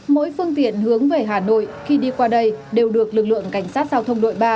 mỗi phương tiện hướng về hà nội khi đi qua đây đều được lực lượng cảnh sát giao thông đội ba